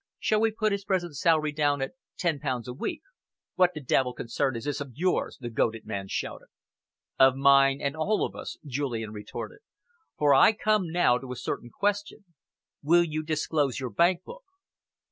Shall we put his present salary down at ten pounds a week?" "What the devil concern is this of yours?" the goaded man shouted. "Of mine and all of us," Julian retorted, "for I come now to a certain question. Will you disclose your bank book?"